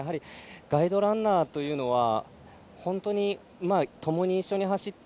ガイドランナーというのは本当に、ともに一緒に走って。